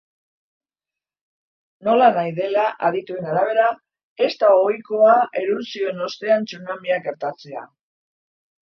Nolanahi dela, adituen arabera, ez da ohikoa erupzioen ostean tsunamiak gertatzea.